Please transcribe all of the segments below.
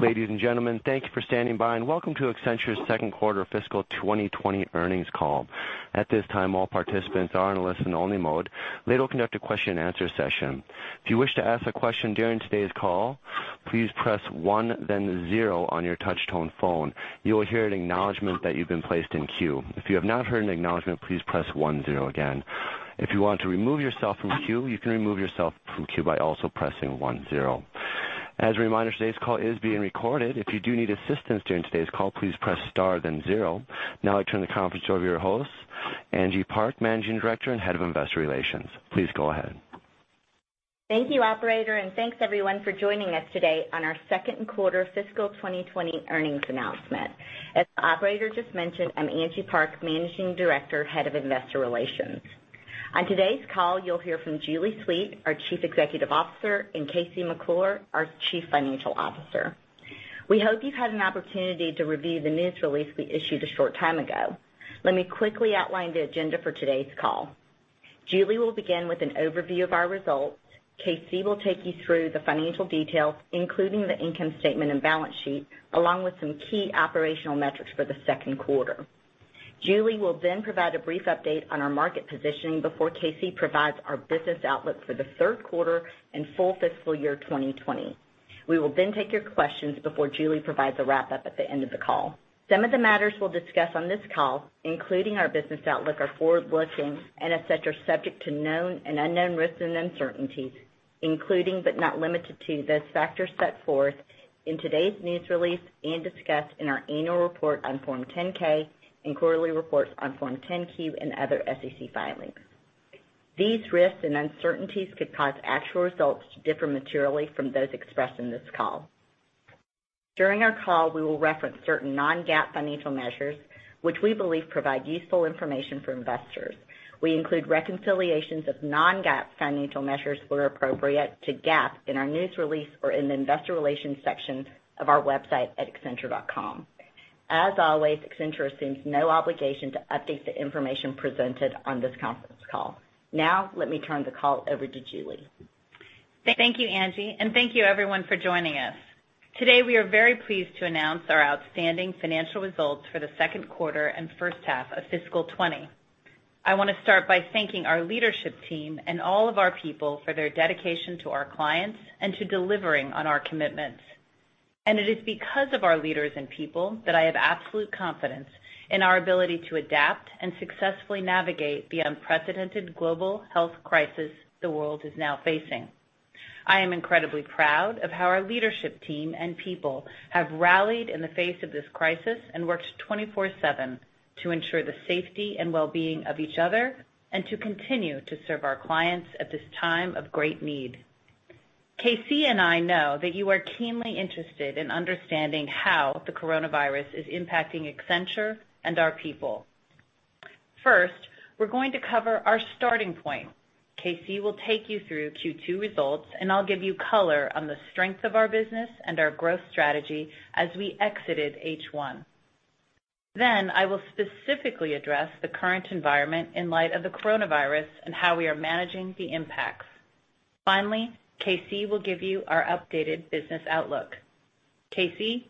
Ladies and gentlemen, thank you for standing by and welcome to Accenture's second quarter fiscal 2020 earnings call. At this time, all participants are in a listen-only mode. Later, we'll conduct a question-and-answer session. If you wish to ask a question during today's call, please press one, then zero on your touch-tone phone. You will hear an acknowledgment that you've been placed in queue. If you have not heard an acknowledgment, please press one, zero again. If you want to remove yourself from queue, you can remove yourself from queue by also pressing one, zero. As a reminder, today's call is being recorded. If you do need assistance during today's call, please press star then zero. Now I turn the conference over to your host, Angie Park, Managing Director and Head of Investor Relations. Please go ahead. Thank you, operator. Thanks everyone for joining us today on our second quarter fiscal 2020 earnings announcement. As the operator just mentioned, I'm Angie Park, Managing Director, Head of Investor Relations. On today's call, you'll hear from Julie Sweet, our Chief Executive Officer, and KC McClure, our Chief Financial Officer. We hope you've had an opportunity to review the news release we issued a short time ago. Let me quickly outline the agenda for today's call. Julie will begin with an overview of our results. KC will take you through the financial details, including the income statement and balance sheet, along with some key operational metrics for the second quarter. Julie will then provide a brief update on our market positioning before KC provides our business outlook for the third quarter and full fiscal year 2020. We will then take your questions before Julie provides a wrap-up at the end of the call. Some of the matters we'll discuss on this call, including our business outlook, are forward-looking and et cetera, subject to known and unknown risks and uncertainties, including but not limited to those factors set forth in today's news release and discussed in our annual report on Form 10-K and quarterly reports on Form 10-Q and other SEC filings. These risks and uncertainties could cause actual results to differ materially from those expressed in this call. During our call, we will reference certain non-GAAP financial measures which we believe provide useful information for investors. We include reconciliations of non-GAAP financial measures where appropriate to GAAP in our news release or in the Investor Relations section of our website at accenture.com. As always, Accenture assumes no obligation to update the information presented on this conference call. Now, let me turn the call over to Julie. Thank you, Angie, and thank you everyone for joining us. Today, we are very pleased to announce our outstanding financial results for the second quarter and first half of fiscal 2020. I want to start by thanking our leadership team and all of our people for their dedication to our clients and to delivering on our commitments. It is because of our leaders and people that I have absolute confidence in our ability to adapt and successfully navigate the unprecedented global health crisis the world is now facing. I am incredibly proud of how our leadership team and people have rallied in the face of this crisis and worked 24/7 to ensure the safety and well-being of each other and to continue to serve our clients at this time of great need. KC and I know that you are keenly interested in understanding how the coronavirus is impacting Accenture and our people. First, we're going to cover our starting point. KC Will take you through Q2 results, I'll give you color on the strength of our business and our growth strategy as we exited H1. I will specifically address the current environment in light of the coronavirus and how we are managing the impacts. Finally, KC will give you our updated business outlook. KC,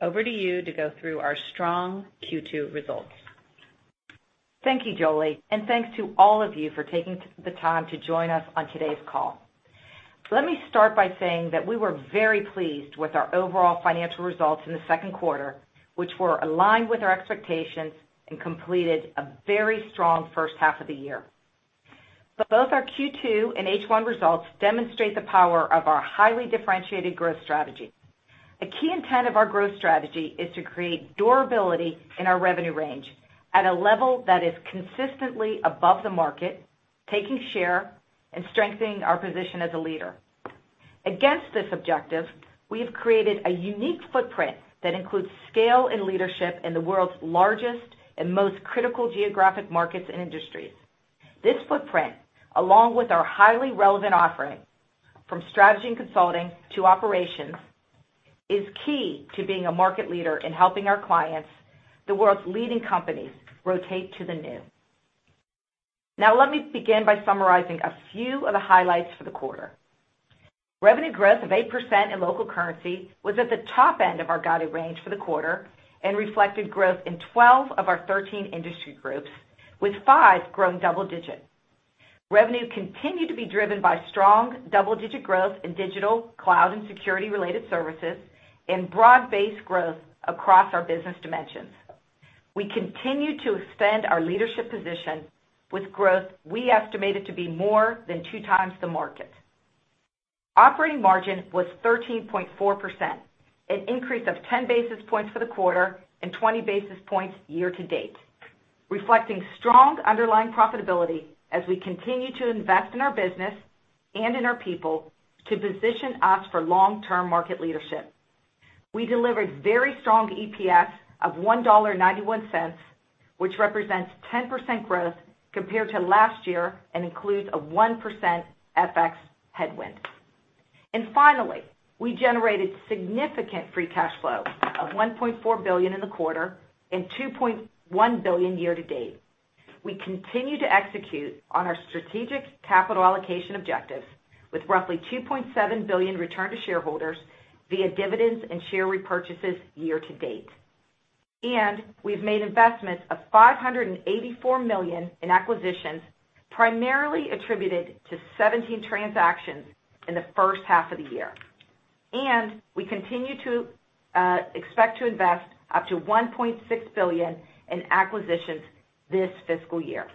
over to you to go through our strong Q2 results. Thank you, Julie, and thanks to all of you for taking the time to join us on today's call. Let me start by saying that we were very pleased with our overall financial results in the second quarter, which were aligned with our expectations and completed a very strong first half of the year. Both our Q2 and H1 results demonstrate the power of our highly differentiated growth strategy. A key intent of our growth strategy is to create durability in our revenue range at a level that is consistently above the market, taking share and strengthening our position as a leader. Against this objective, we have created a unique footprint that includes scale and leadership in the world's largest and most critical geographic markets and industries. This footprint, along with our highly relevant offering from Strategy and Consulting to Operations, is key to being a market leader in helping our clients, the world's leading companies, rotate to the new. Let me begin by summarizing a few of the highlights for the quarter. Revenue growth of 8% in local currency was at the top end of our guided range for the quarter and reflected growth in 12 of our 13 industry groups, with five growing double digits. Revenue continued to be driven by strong double-digit growth in digital, cloud, and security-related services and broad-based growth across our business dimensions. We continue to expand our leadership position with growth we estimated to be more than 2x the market. Operating margin was 13.4%, an increase of 10 basis points for the quarter and 20 basis points year-to-date, reflecting strong underlying profitability as we continue to invest in our business and in our people to position us for long-term market leadership. We delivered very strong EPS of $1.91, which represents 10% growth compared to last year and includes a 1% FX headwind. Finally, we generated significant free cash flow of $1.4 billion in the quarter and $2.1 billion year-to-date. We continue to execute on our strategic capital allocation objectives with roughly $2.7 billion return to shareholders via dividends and share repurchases year-to-date. We've made investments of $584 million in acquisitions, primarily attributed to 17 transactions in the first half of the year. We continue to expect to invest up to $1.6 billion in acquisitions this fiscal year.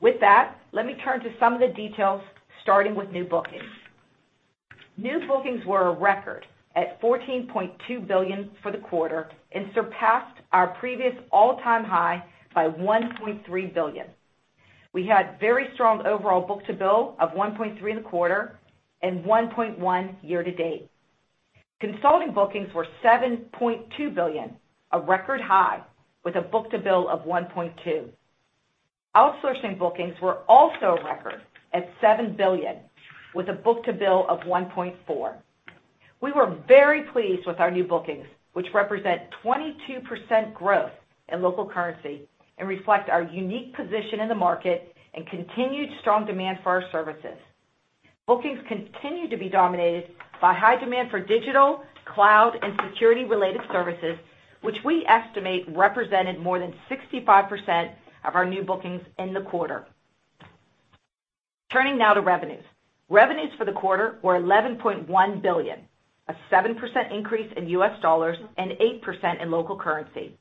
With that, let me turn to some of the details, starting with new bookings. New bookings were a record at $14.2 billion for the quarter and surpassed our previous all-time high by $1.3 billion. We had very strong overall book-to-bill of 1.3 in the quarter and 1.1 year-to-date. Consulting bookings were $7.2 billion, a record high, with a book-to-bill of 1.2. Outsourcing bookings were also a record at $7 billion, with a book-to-bill of 1.4. We were very pleased with our new bookings, which represent 22% growth in local currency and reflect our unique position in the market and continued strong demand for our services. Bookings continue to be dominated by high demand for digital, cloud, and security-related services, which we estimate represented more than 65% of our new bookings in the quarter. Turning now to revenues. Revenues for the quarter were $11.1 billion, a 7% increase in U.S. dollars and 8% in local currency.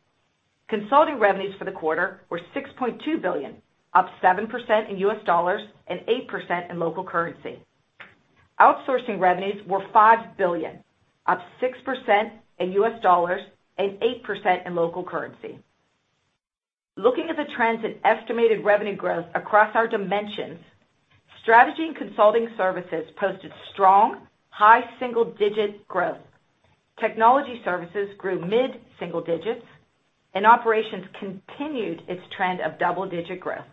Consulting revenues for the quarter were $6.2 billion, up 7% in U.S. dollars and 8% in local currency. Outsourcing revenues were $5 billion, up 6% in U.S. dollars and 8% in local currency. Looking at the trends in estimated revenue growth across our dimensions, Strategy and Consulting services posted strong, high single-digit growth. Technology services grew mid-single digits, and Operations continued its trend of double-digit growth.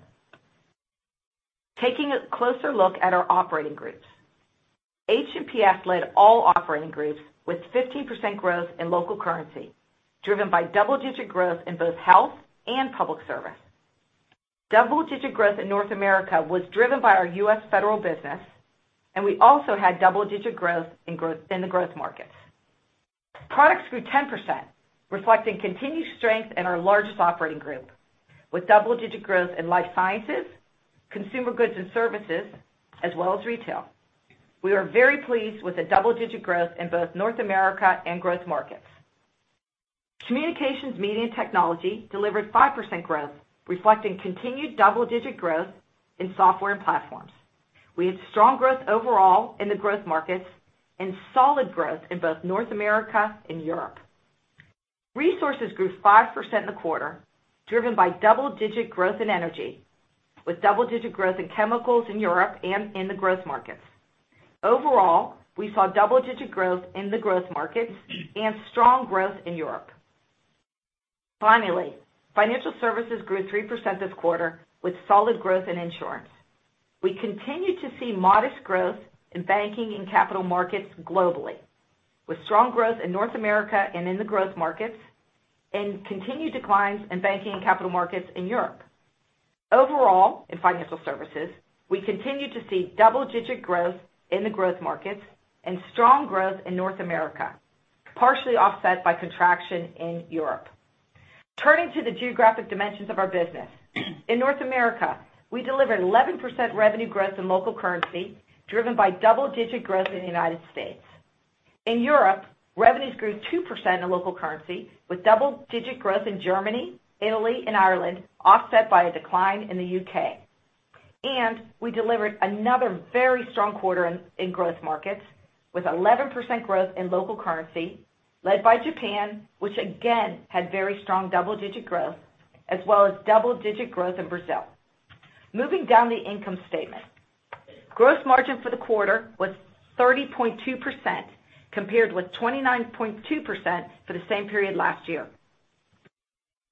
Taking a closer look at our operating groups. H&PS led all operating groups with 15% growth in local currency, driven by double-digit growth in both Health & Public Service. Double-digit growth in North America was driven by our U.S. federal business, and we also had double-digit growth in the growth markets. Products grew 10%, reflecting continued strength in our largest operating group, with double-digit growth in life sciences, consumer goods and services, as well as retail. We are very pleased with the double-digit growth in both North America and growth markets. Communications, Media & Technology delivered 5% growth, reflecting continued double-digit growth in software and platforms. We had strong growth overall in the growth markets and solid growth in both North America and Europe. Resources grew 5% in the quarter, driven by double-digit growth in energy, with double-digit growth in chemicals in Europe and in the growth markets. Overall, we saw double-digit growth in the growth markets and strong growth in Europe. Finally, Financial Services grew 3% this quarter, with solid growth in insurance. We continue to see modest growth in banking and capital markets globally, with strong growth in North America and in the growth markets, and continued declines in banking and capital markets in Europe. Overall, in Financial Services, we continue to see double-digit growth in the growth markets and strong growth in North America, partially offset by contraction in Europe. Turning to the geographic dimensions of our business. In North America, we delivered 11% revenue growth in local currency, driven by double-digit growth in the United States. In Europe, revenues grew 2% in local currency, with double-digit growth in Germany, Italy, and Ireland, offset by a decline in the U.K. We delivered another very strong quarter in growth markets, with 11% growth in local currency, led by Japan, which again had very strong double-digit growth, as well as double-digit growth in Brazil. Moving down the income statement. Gross margin for the quarter was 30.2%, compared with 29.2% for the same period last year.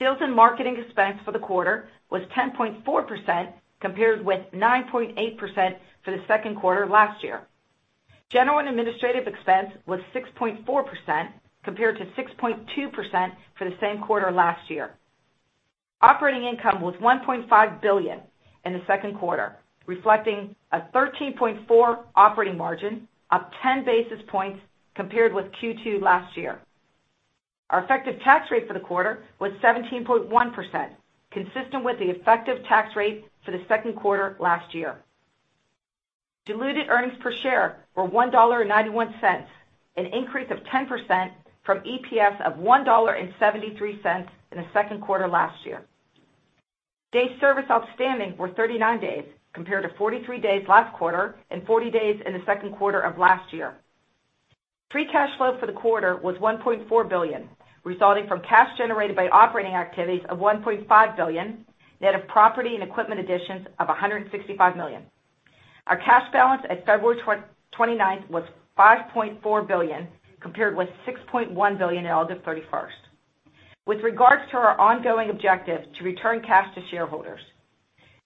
Sales and marketing expense for the quarter was 10.4%, compared with 9.8% for the second quarter of last year. General and administrative expense was 6.4%, compared to 6.2% for the same quarter last year. Operating income was $1.5 billion in the second quarter, reflecting a 13.4% operating margin, up 10 basis points compared with Q2 last year. Our effective tax rate for the quarter was 17.1%, consistent with the effective tax rate for the second quarter last year. Diluted earnings per share were $1.91, an increase of 10% from EPS of $1.73 in the second quarter last year. Days service outstanding were 39 days, compared to 43 days last quarter and 40 days in the second quarter of last year. Free cash flow for the quarter was $1.4 billion, resulting from cash generated by operating activities of $1.5 billion, net of property and equipment additions of $165 million. Our cash balance at February 29th was $5.4 billion, compared with $6.1 billion at August 31st. With regards to our ongoing objective to return cash to shareholders.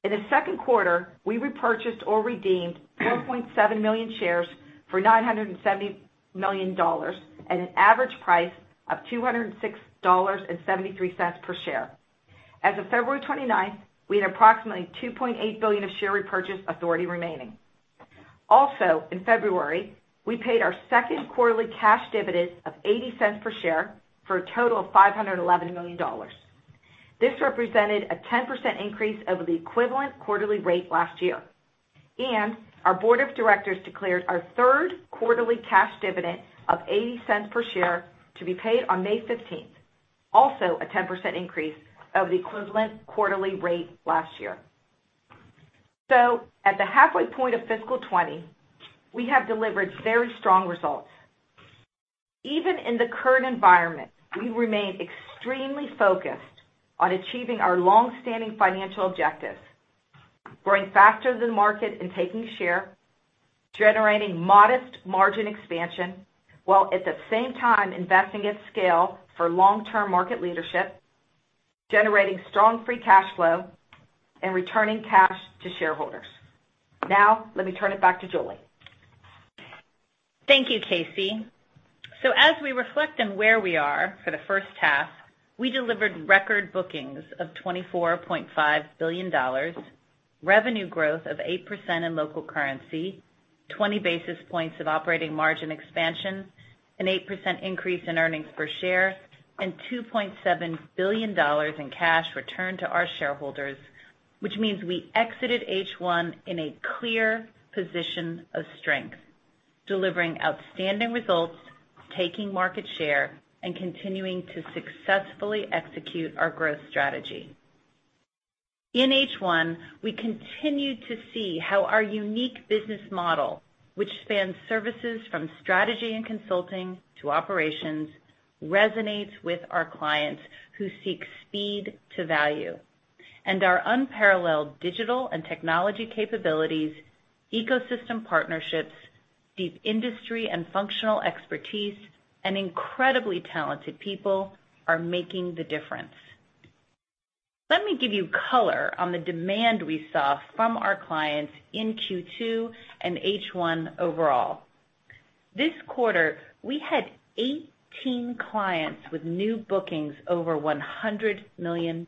In the second quarter, we repurchased or redeemed 4.7 million shares for $970 million at an average price of $206.73 per share. As of February 29th, we had approximately $2.8 billion of share repurchase authority remaining. Also in February, we paid our second quarterly cash dividend of $0.80 per share for a total of $511 million. This represented a 10% increase over the equivalent quarterly rate last year. Our Board of Directors declared our third quarterly cash dividend of $0.80 per share to be paid on May 15th, also a 10% increase over the equivalent quarterly rate last year. At the halfway point of fiscal 2020, we have delivered very strong results. Even in the current environment, we remain extremely focused on achieving our longstanding financial objectives, growing faster than the market and taking share, generating modest margin expansion, while at the same time investing at scale for long-term market leadership, generating strong free cash flow, and returning cash to shareholders. Let me turn it back to Julie. Thank you, KC. As we reflect on where we are for the first half, we delivered record bookings of $24.5 billion, revenue growth of 8% in local currency, 20 basis points of operating margin expansion, an 8% increase in earnings per share, and $2.7 billion in cash returned to our shareholders, which means we exited H1 in a clear position of strength, delivering outstanding results, taking market share, and continuing to successfully execute our growth strategy. In H1, we continued to see how our unique business model, which spans services from Strategy and Consulting to Operations, resonates with our clients who seek speed to value. Our unparalleled digital and technology capabilities, ecosystem partnerships, deep industry and functional expertise, and incredibly talented people are making the difference. Let me give you color on the demand we saw from our clients in Q2 and H1 overall. This quarter, we had 18 clients with new bookings over $100 million,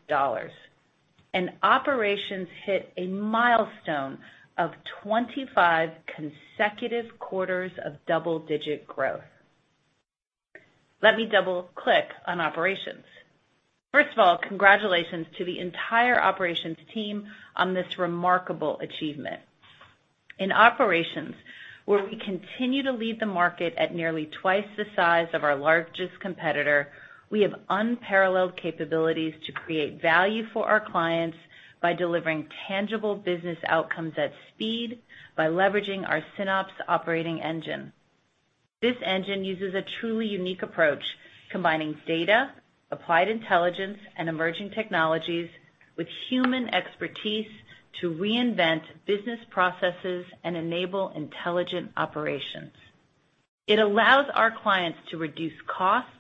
and Operations hit a milestone of 25 consecutive quarters of double-digit growth. Let me double-click on Operations. First of all, congratulations to the entire Operations team on this remarkable achievement. In Operations, where we continue to lead the market at nearly twice the size of our largest competitor, we have unparalleled capabilities to create value for our clients by delivering tangible business outcomes at speed by leveraging our SynOps operating engine. This engine uses a truly unique approach, combining data, applied intelligence, and emerging technologies with human expertise to reinvent business processes and enable intelligent operations. It allows our clients to reduce costs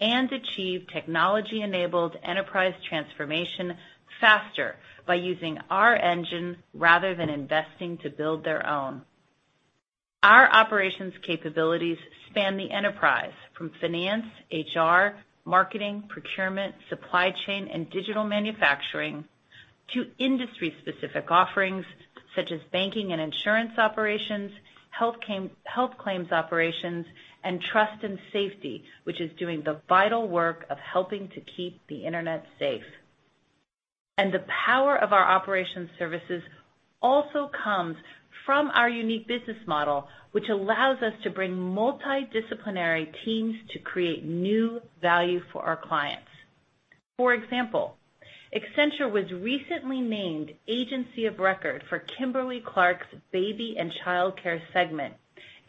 and achieve technology-enabled enterprise transformation faster by using our engine rather than investing to build their own. Our operations capabilities span the enterprise from finance, HR, marketing, procurement, supply chain, and digital manufacturing, to industry-specific offerings such as banking and insurance operations, health claims operations, and trust and safety, which is doing the vital work of helping to keep the internet safe. The power of our Operations services also comes from our unique business model, which allows us to bring multidisciplinary teams to create new value for our clients. For example, Accenture was recently named Agency of Record for Kimberly-Clark's Baby and Childcare segment,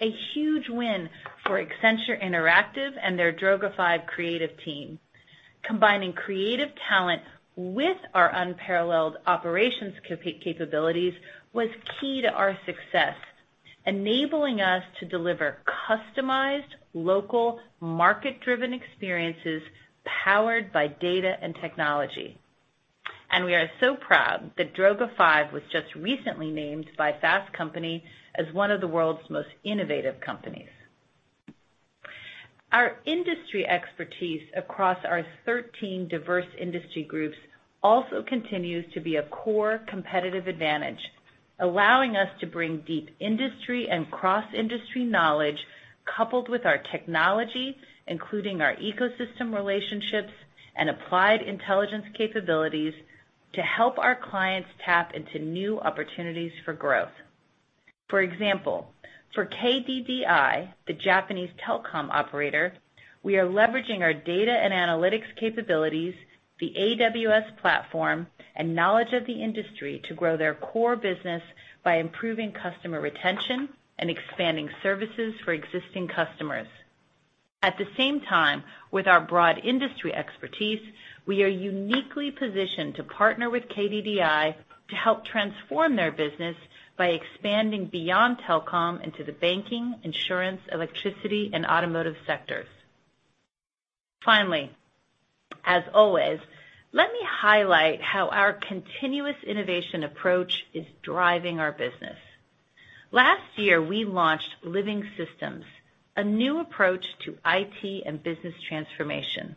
a huge win for Accenture Interactive and their Droga5 Creative team. Combining creative talent with our unparalleled operations capabilities was key to our success, enabling us to deliver customized, local, market-driven experiences powered by data and technology. We are so proud that Droga5 was just recently named by Fast Company as one of the world's most innovative companies. Our industry expertise across our 13 diverse industry groups also continues to be a core competitive advantage, allowing us to bring deep industry and cross-industry knowledge coupled with our technology, including our ecosystem relationships and applied intelligence capabilities, to help our clients tap into new opportunities for growth. For example, for KDDI, the Japanese telecom operator, we are leveraging our data and analytics capabilities, the AWS platform, and knowledge of the industry to grow their core business by improving customer retention and expanding services for existing customers. At the same time, with our broad industry expertise, we are uniquely positioned to partner with KDDI to help transform their business by expanding beyond telecom into the banking, insurance, electricity, and automotive sectors. As always, let me highlight how our continuous innovation approach is driving our business. Last year, we launched Living Systems, a new approach to IT and business transformation.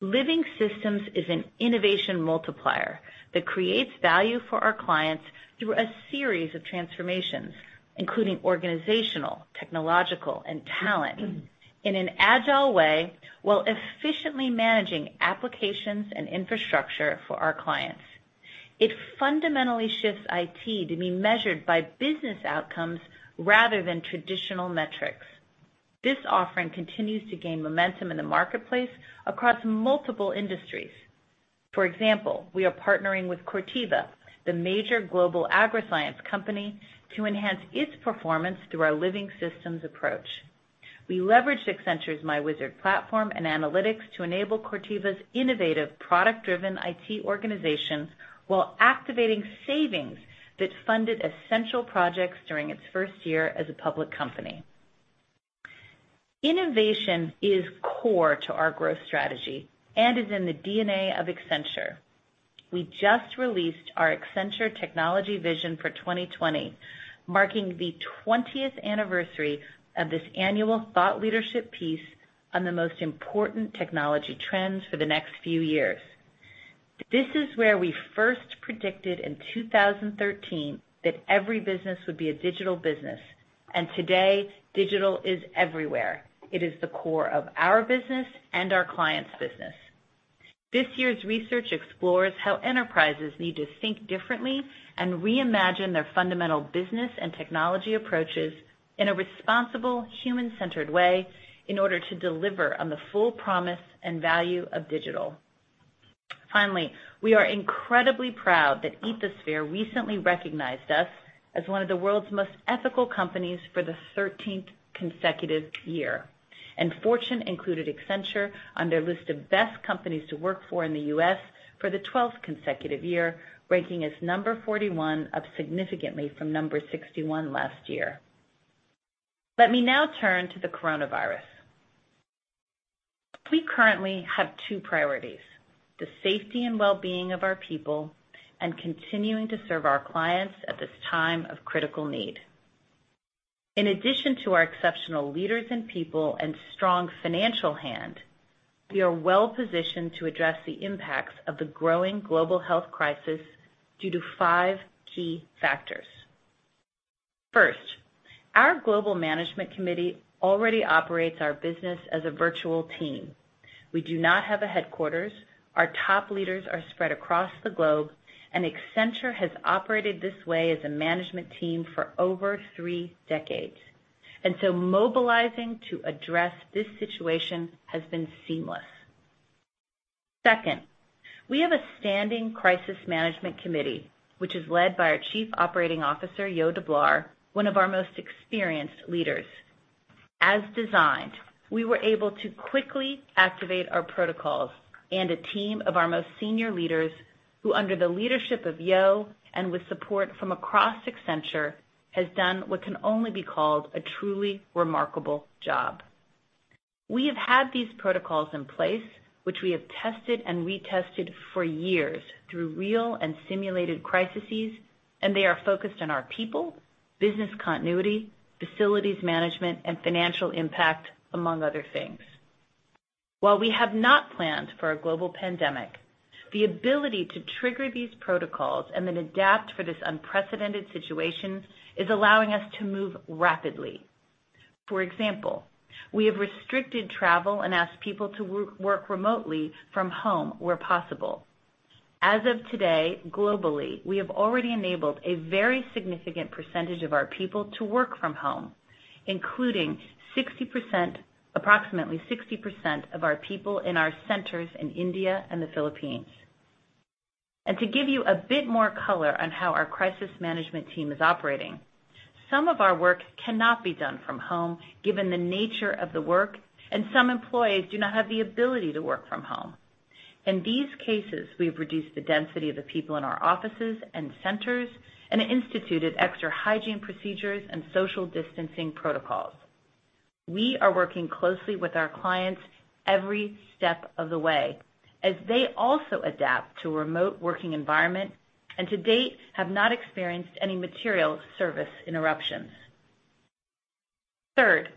Living Systems is an innovation multiplier that creates value for our clients through a series of transformations, including organizational, technological, and talent in an agile way while efficiently managing applications and infrastructure for our clients. It fundamentally shifts IT to be measured by business outcomes rather than traditional metrics. This offering continues to gain momentum in the marketplace across multiple industries. For example, we are partnering with Corteva, the major global agriscience company, to enhance its performance through our Living Systems approach. We leveraged Accenture's myWizard platform and analytics to enable Corteva's innovative product-driven IT organizations while activating savings that funded essential projects during its first year as a public company. Innovation is core to our growth strategy and is in the DNA of Accenture. We just released our Accenture Technology Vision for 2020, marking the 20th anniversary of this annual thought leadership piece on the most important technology trends for the next few years. This is where we first predicted in 2013 that every business would be a digital business. Today, digital is everywhere. It is the core of our business and our clients' business. This year's research explores how enterprises need to think differently and reimagine their fundamental business and technology approaches in a responsible, human-centered way in order to deliver on the full promise and value of digital. Finally, we are incredibly proud that Ethisphere recently recognized us as one of the World's Most Ethical Companies for the 13th consecutive year, and Fortune included Accenture on their list of Best Companies to Work For in the U.S. for the 12th consecutive year, ranking as number 41 up significantly from number 61 last year. Let me now turn to the coronavirus. We currently have two priorities, the safety and wellbeing of our people and continuing to serve our clients at this time of critical need. In addition to our exceptional leaders and people and strong financial hand, we are well-positioned to address the impacts of the growing global health crisis due to five key factors. First, our global management committee already operates our business as a virtual team. We do not have a headquarters. Our top leaders are spread across the globe, and Accenture has operated this way as a management team for over three decades. Mobilizing to address this situation has been seamless. Second, we have a standing crisis management committee, which is led by our Chief Operating Officer, Jo Deblaere, one of our most experienced leaders. As designed, we were able to quickly activate our protocols and a team of our most senior leaders, who under the leadership of Jo and with support from across Accenture, has done what can only be called a truly remarkable job. We have had these protocols in place, which we have tested and retested for years through real and simulated crises, and they are focused on our people, business continuity, facilities management, and financial impact, among other things. While we have not planned for a global pandemic, the ability to trigger these protocols and then adapt for this unprecedented situation is allowing us to move rapidly. For example, we have restricted travel and asked people to work remotely from home where possible. As of today, globally, we have already enabled a very significant percentage of our people to work from home, including approximately 60% of our people in our centers in India and the Philippines. To give you a bit more color on how our crisis management team is operating, some of our work cannot be done from home, given the nature of the work, and some employees do not have the ability to work from home. In these cases, we've reduced the density of the people in our offices and centers and instituted extra hygiene procedures and social distancing protocols. We are working closely with our clients every step of the way as they also adapt to a remote working environment, and to date have not experienced any material service interruptions. Third,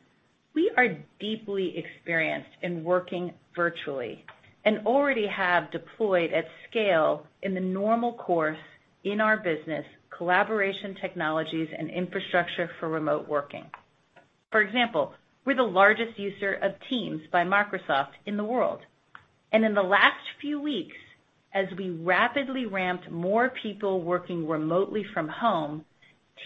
we are deeply experienced in working virtually and already have deployed at scale in the normal course in our business collaboration technologies and infrastructure for remote working. For example, we're the largest user of Teams by Microsoft in the world. In the last few weeks, as we rapidly ramped more people working remotely from home,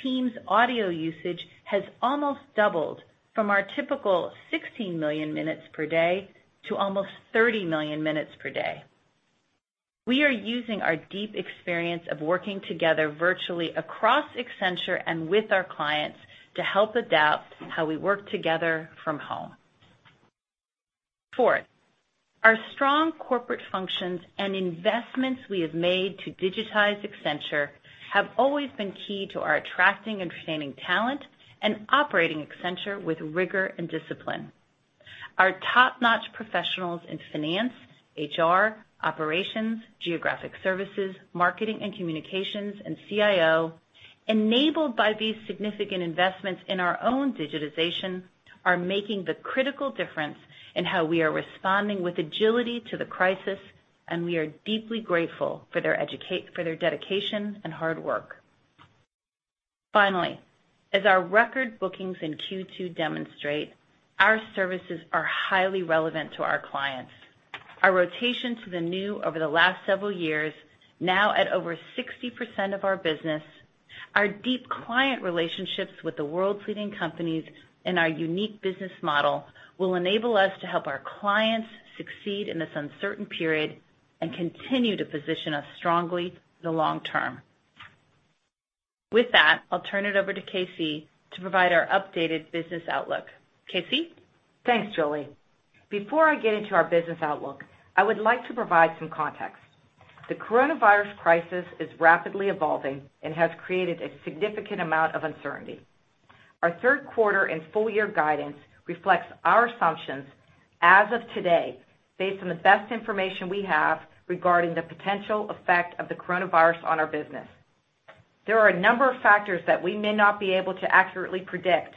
Teams audio usage has almost doubled from our typical 16 million minutes per day to almost 30 million minutes per day. We are using our deep experience of working together virtually across Accenture and with our clients to help adapt how we work together from home. Fourth, our strong corporate functions and investments we have made to digitize Accenture have always been key to our attracting and retaining talent and operating Accenture with rigor and discipline. Our top-notch professionals in finance, HR, operations, geographic services, marketing and communications, and CIO, enabled by these significant investments in our own digitization, are making the critical difference in how we are responding with agility to the crisis, and we are deeply grateful for their dedication and hard work. Finally, as our record bookings in Q2 demonstrate, our services are highly relevant to our clients. Our rotation to the new over the last several years, now at over 60% of our business, our deep client relationships with the world's leading companies, and our unique business model will enable us to help our clients succeed in this uncertain period and continue to position us strongly for the long-term. With that, I'll turn it over to KC to provide our updated business outlook. KC? Thanks, Julie. Before I get into our business outlook, I would like to provide some context. The coronavirus crisis is rapidly evolving and has created a significant amount of uncertainty. Our third quarter and full year guidance reflects our assumptions as of today, based on the best information we have regarding the potential effect of the coronavirus on our business. There are a number of factors that we may not be able to accurately predict,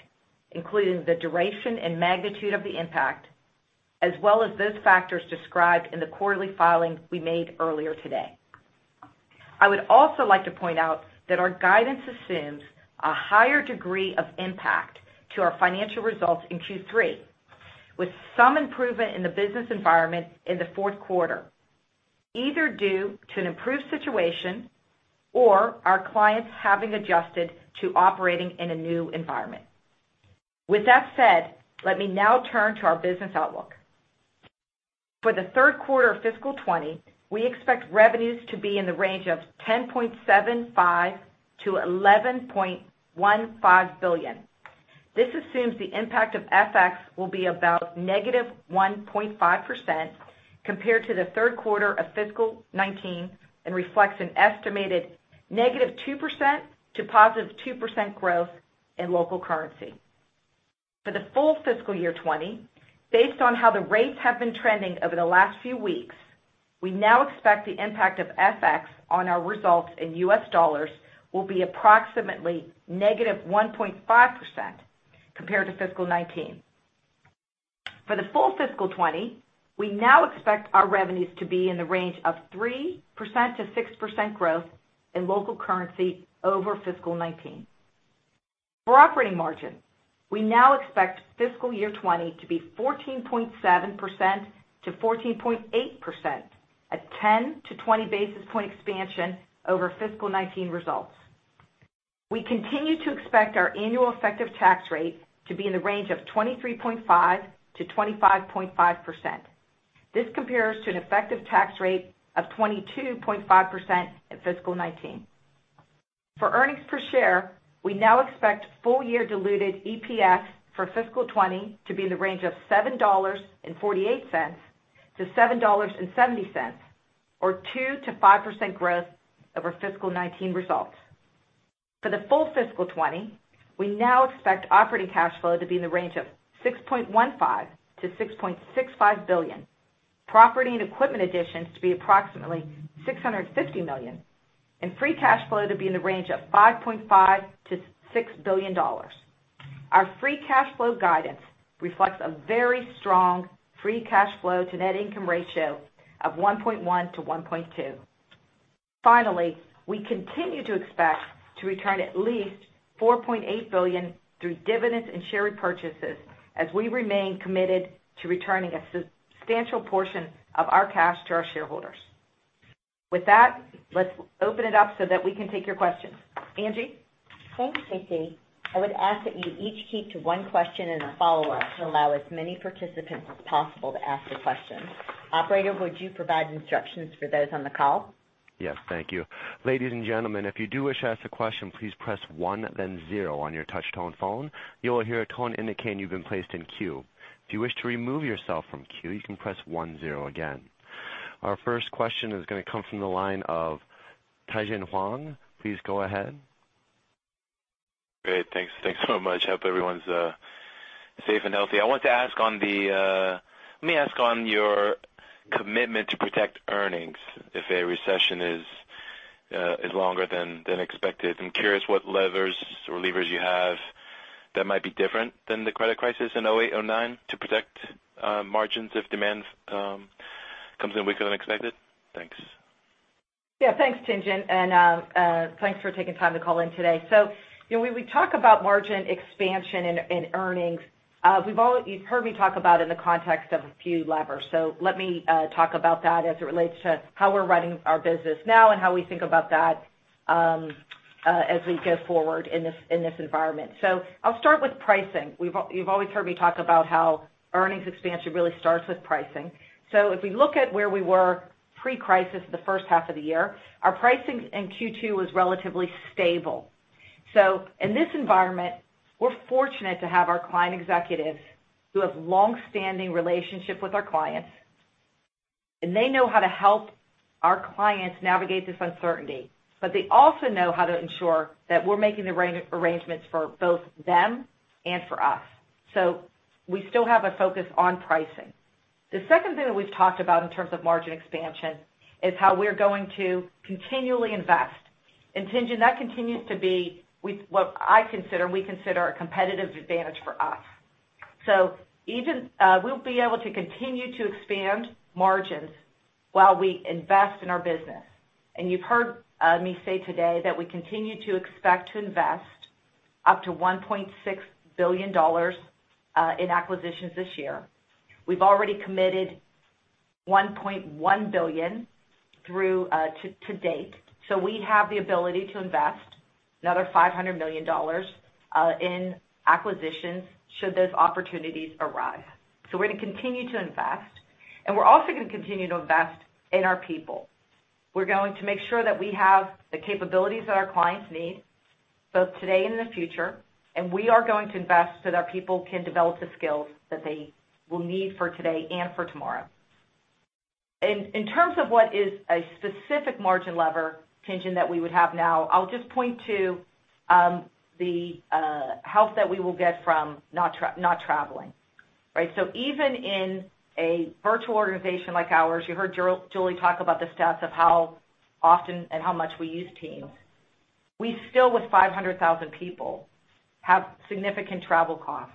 including the duration and magnitude of the impact, as well as those factors described in the quarterly filing we made earlier today. I would also like to point out that our guidance assumes a higher degree of impact to our financial results in Q3, with some improvement in the business environment in the fourth quarter, either due to an improved situation or our clients having adjusted to operating in a new environment. With that said, let me now turn to our business outlook. For the third quarter of fiscal 2020, we expect revenues to be in the range of $10.75 billion-$11.15 billion. This assumes the impact of FX will be about -1.5% compared to the third quarter of fiscal 2019, and reflects an estimated -2% to 2% growth in local currency. For the full fiscal year 2020, based on how the rates have been trending over the last few weeks, we now expect the impact of FX on our results in U.S. dollars will be approximately -1.5% compared to fiscal 2019. For the full fiscal 2020, we now expect our revenues to be in the range of 3%-6% growth in local currency over fiscal 2019. For operating margin, we now expect fiscal year 2020 to be 14.7%-14.8%, a 10-20 basis point expansion over fiscal 2019 results. We continue to expect our annual effective tax rate to be in the range of 23.5%-25.5%. This compares to an effective tax rate of 22.5% in fiscal 2019. For earnings per share, we now expect full year diluted EPS for fiscal 2020 to be in the range of $7.48-$7.70, or 2%-5% growth over fiscal 2019 results. For the full fiscal 2020, we now expect operating cash flow to be in the range of $6.15 billion-$6.65 billion. Property and equipment additions to be approximately $650 million, and free cash flow to be in the range of $5.5 billion-$6 billion. Our free cash flow guidance reflects a very strong free cash flow to net income ratio of 1.1-1.2. Finally, we continue to expect to return at least $4.8 billion through dividends and share repurchases as we remain committed to returning a substantial portion of our cash to our shareholders. With that, let's open it up so that we can take your questions. Angie? Thanks, KC. I would ask that you each keep to one question and a follow-up to allow as many participants as possible to ask a question. Operator, would you provide instructions for those on the call? Yes, thank you. Ladies and gentlemen, if you do wish to ask a question, please press one, then zero on your touch-tone phone. You will hear a tone indicating you've been placed in queue. If you wish to remove yourself from queue, you can press one zero again. Our first question is going to come from the line of Tien-Tsin Huang. Please go ahead. Great. Thanks so much. Hope everyone's safe and healthy. Let me ask on your commitment to protect earnings if a recession is longer than expected. I'm curious what levers you have that might be different than the credit crisis in 2008, 2009 to protect margins if demand comes in weaker than expected? Thanks. Yeah, thanks, Tien-Tsin, and thanks for taking time to call in today. When we talk about margin expansion and earnings, you've heard me talk about in the context of a few levers. Let me talk about that as it relates to how we're running our business now and how we think about that as we go forward in this environment. I'll start with pricing. You've always heard me talk about how earnings expansion really starts with pricing. If we look at where we were pre-crisis the first half of the year, our pricing in Q2 was relatively stable. In this environment, we're fortunate to have our client executives who have longstanding relationships with our clients. And they know how to help our clients navigate this uncertainty, but they also know how to ensure that we're making the arrangements for both them and for us. We still have a focus on pricing. The second thing that we've talked about in terms of margin expansion is how we're going to continually invest. Tien-Tsin, that continues to be what I consider and we consider a competitive advantage for us. We'll be able to continue to expand margins while we invest in our business. You've heard me say today that we continue to expect to invest up to $1.6 billion in acquisitions this year. We've already committed $1.1 billion to-date, so we have the ability to invest another $500 million in acquisitions should those opportunities arise. We're going to continue to invest, and we're also going to continue to invest in our people. We're going to make sure that we have the capabilities that our clients need, both today and in the future, and we are going to invest so that our people can develop the skills that they will need for today and for tomorrow. In terms of what is a specific margin lever, Tien-Tsin, that we would have now, I'll just point to the help that we will get from not traveling. Even in a virtual organization like ours, you heard Julie talk about the stats of how often and how much we use Teams. We still, with 500,000 people, have significant travel costs.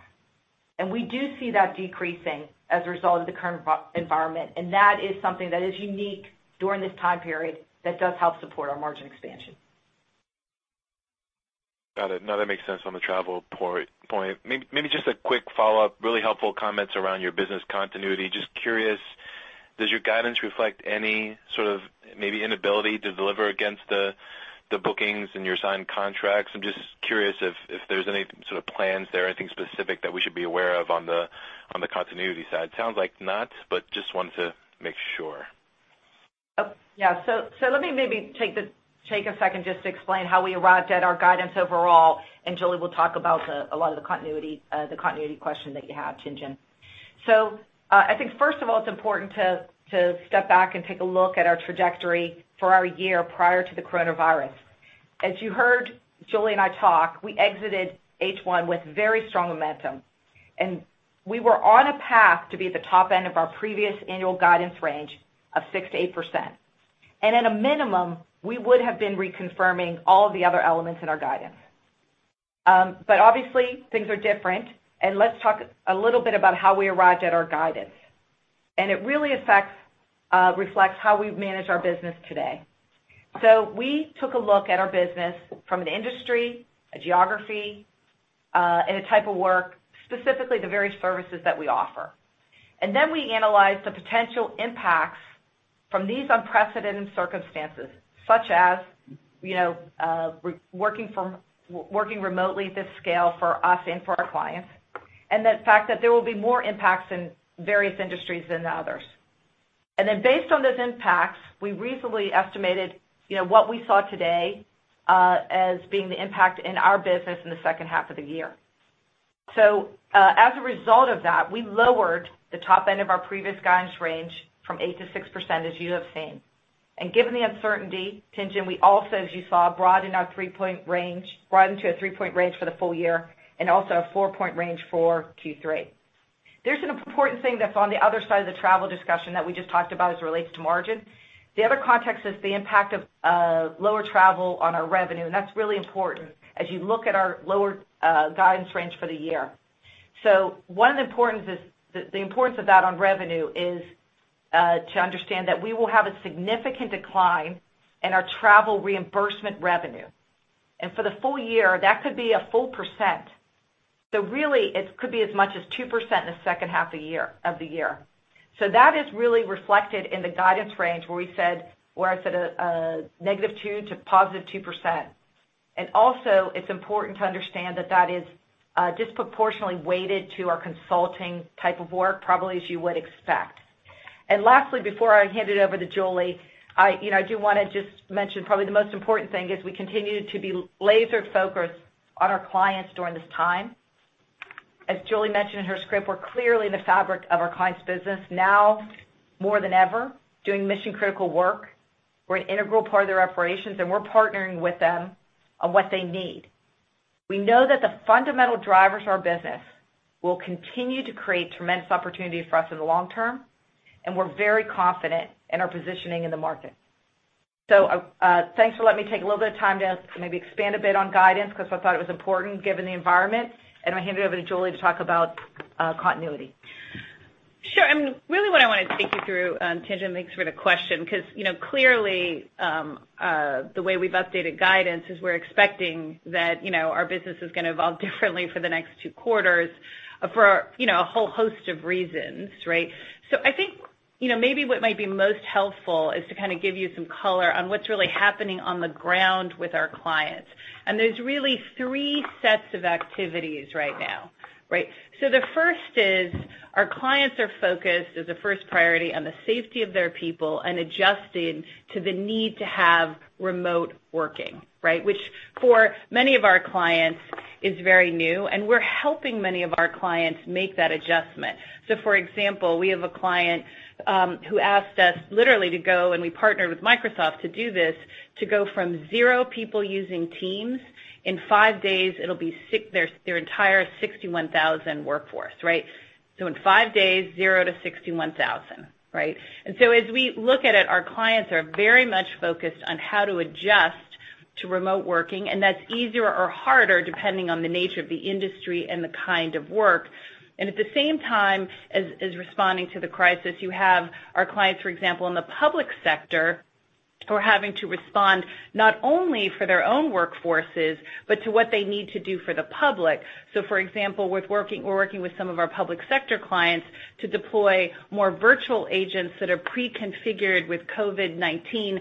We do see that decreasing as a result of the current environment, and that is something that is unique during this time period that does help support our margin expansion. Got it. No, that makes sense on the travel point. Maybe just a quick follow-up. Really helpful comments around your business continuity. Just curious, does your guidance reflect any sort of maybe inability to deliver against the bookings and your signed contracts? I'm just curious if there's any sort of plans there, anything specific that we should be aware of on the continuity side. Sounds like not, but just wanted to make sure. Let me maybe take a second just to explain how we arrived at our guidance overall, and Julie will talk about a lot of the continuity question that you have, Tien-Tsin. I think first of all, it's important to step back and take a look at our trajectory for our year prior to the coronavirus. As you heard Julie and I talk, we exited H1 with very strong momentum, and we were on a path to be at the top end of our previous annual guidance range of 6%-8%. At a minimum, we would have been reconfirming all of the other elements in our guidance. Obviously, things are different, and let's talk a little bit about how we arrived at our guidance. It really reflects how we manage our business today. We took a look at our business from an industry, a geography, and a type of work, specifically the various services that we offer. Then we analyzed the potential impacts from these unprecedented circumstances, such as working remotely at this scale for us and for our clients, and the fact that there will be more impacts in various industries than others. Then based on those impacts, we reasonably estimated what we saw today as being the impact in our business in the second half of the year. As a result of that, we lowered the top end of our previous guidance range from 8%-6%, as you have seen. Given the uncertainty, Tien-Tsin, we also, as you saw, broadened to a 3-point range for the full year, and also a 4-point range for Q3. There's an important thing that's on the other side of the travel discussion that we just talked about as it relates to margin. The other context is the impact of lower travel on our revenue, and that's really important as you look at our lower guidance range for the year. The importance of that on revenue is to understand that we will have a significant decline in our travel reimbursement revenue. For the full year, that could be 1%. Really, it could be as much as 2% in the second half of the year. That is really reflected in the guidance range where I said -2% to +2%. Also, it's important to understand that is disproportionately weighted to our consulting type of work, probably as you would expect. Lastly, before I hand it over to Julie, I do want to just mention probably the most important thing is we continue to be laser focused on our clients during this time. As Julie mentioned in her script, we're clearly in the fabric of our clients' business now more than ever, doing mission-critical work. We're an integral part of their operations, and we're partnering with them on what they need. We know that the fundamental drivers of our business will continue to create tremendous opportunities for us in the long term, and we're very confident in our positioning in the market. Thanks for letting me take a little bit of time to maybe expand a bit on guidance because I thought it was important given the environment. I'll hand it over to Julie to talk about continuity. Sure. Really what I want to take you through, Tien-Tsin, thanks for the question, because clearly the way we've updated guidance is we're expecting that our business is going to evolve differently for the next two quarters for a whole host of reasons, right? I think maybe what might be most helpful is to kind of give you some color on what's really happening on the ground with our clients. There's really three sets of activities right now. Right? The first is our clients are focused as a first priority on the safety of their people and adjusting to the need to have remote working. Which for many of our clients is very new, and we're helping many of our clients make that adjustment. For example, we have a client who asked us literally to go, and we partnered with Microsoft to do this, to go from zero people using Teams, in five days it'll be their entire 61,000 workforce. In five days, 0-61,000. Right. As we look at it, our clients are very much focused on how to adjust to remote working, and that's easier or harder depending on the nature of the industry and the kind of work. At the same time as responding to the crisis, you have our clients, for example, in the public sector, who are having to respond not only for their own workforces, but to what they need to do for the public. For example, we're working with some of our public sector clients to deploy more virtual agents that are pre-configured with COVID-19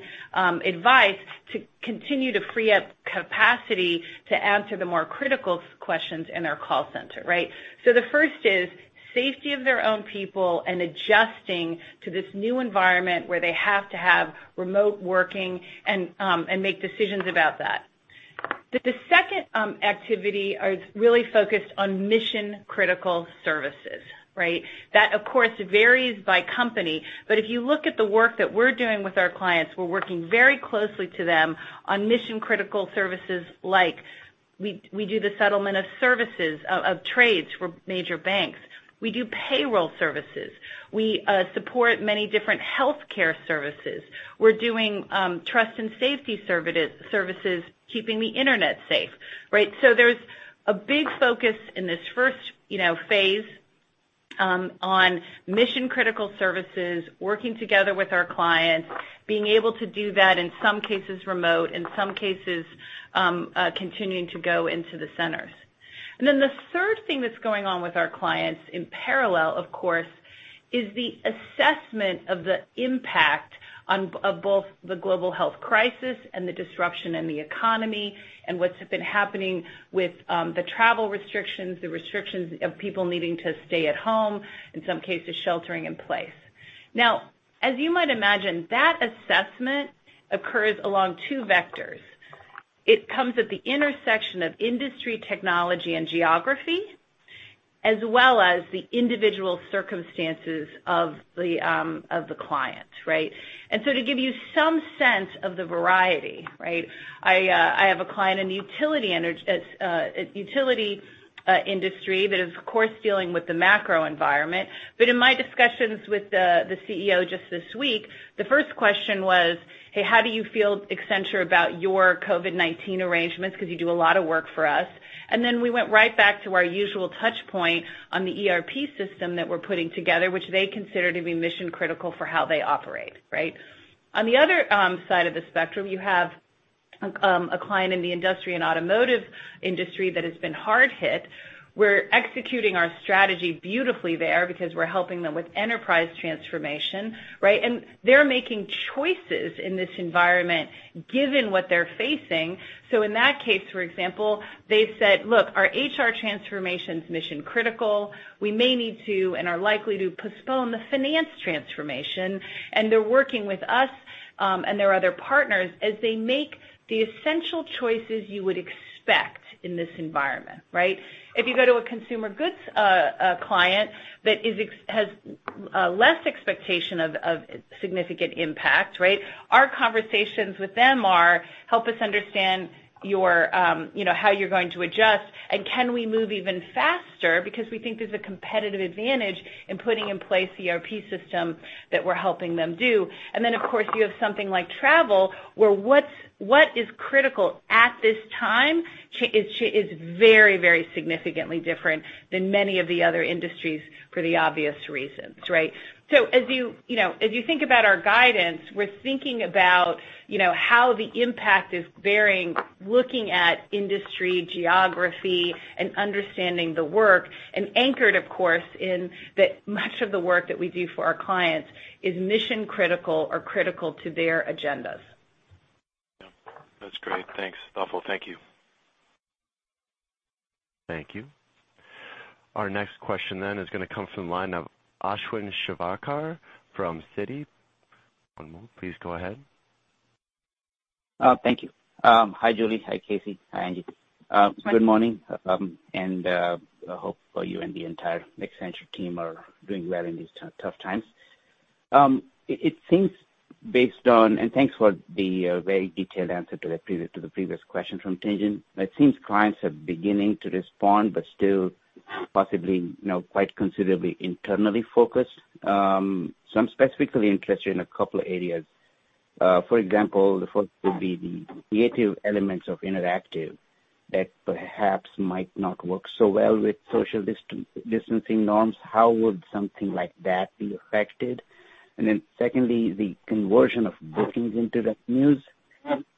advice to continue to free up capacity to answer the more critical questions in our call center. Right? The first is safety of their own people and adjusting to this new environment where they have to have remote working and make decisions about that. The second activity is really focused on mission-critical services. Right? That, of course, varies by company. If you look at the work that we're doing with our clients, we're working very closely to them on mission-critical services like we do the settlement of services, of trades for major banks. We do payroll services. We support many different healthcare services. We're doing trust and safety services, keeping the Internet safe. Right? There's a big focus in this first phase on mission-critical services, working together with our clients, being able to do that in some cases remote, in some cases continuing to go into the centers. Then the third thing that's going on with our clients in parallel, of course, is the assessment of the impact of both the global health crisis and the disruption in the economy and what's been happening with the travel restrictions, the restrictions of people needing to stay at home, in some cases sheltering in place. As you might imagine, that assessment occurs along two vectors. It comes at the intersection of industry technology and geography, as well as the individual circumstances of the client. Right? To give you some sense of the variety, I have a client in the utility industry that is, of course, dealing with the macro environment. In my discussions with the CEO just this week, the first question was, "Hey, how do you feel, Accenture, about your COVID-19 arrangements, because you do a lot of work for us?" Then we went right back to our usual touch point on the ERP system that we're putting together, which they consider to be mission-critical for how they operate. Right? On the other side of the spectrum, you have a client in the industry, in automotive industry that has been hard hit. We're executing our strategy beautifully there because we're helping them with enterprise transformation, and they're making choices in this environment given what they're facing. In that case, for example, they've said, "Look, our HR transformation's mission critical." We may need to and are likely to postpone the finance transformation. They're working with us and their other partners as they make the essential choices you would expect in this environment. Right? If you go to a consumer goods client that has less expectation of significant impact, our conversations with them are, help us understand how you're going to adjust, and can we move even faster because we think there's a competitive advantage in putting in place the ERP system that we're helping them do. Of course, you have something like travel, where what is critical at this time is very significantly different than many of the other industries for the obvious reasons. Right? As you think about our guidance, we're thinking about how the impact is bearing, looking at industry, geography, and understanding the work, and anchored, of course, in that much of the work that we do for our clients is mission-critical or critical to their agendas. Yeah. That's great. Thanks. Thoughtful. Thank you. Thank you. Our next question then is going to come from the line of Ashwin Shirvaikar from Citi. One moment, please go ahead. Thank you. Hi, Julie. Hi, KC. Hi, Angie. Hi. Good morning. Hope you and the entire Accenture team are doing well in these tough times. Thanks for the very detailed answer to the previous question from Tien-Tsin. It seems clients are beginning to respond, but still possibly quite considerably internally focused. I'm specifically interested in a couple of areas. For example, the first would be the creative elements of Interactive that perhaps might not work so well with social distancing norms. How would something like that be affected? Secondly, the conversion of bookings into revenues